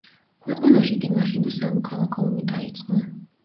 ქვეყანაში კი მაშინვე სამოქალაქო ომი დაიწყო.